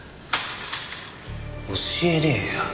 教えねえよ。